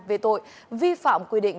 về tội vi phạm quy định